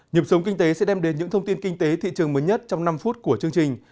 nhập sống kinh tế sẽ đem đến những thông tin kinh tế thị trường mới nhất trong năm phút của chương trình